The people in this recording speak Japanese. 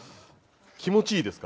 気持ちいいですか？